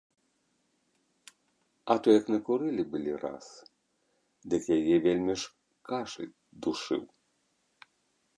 А то як накурылі былі раз, дык яе вельмі ж кашаль душыў.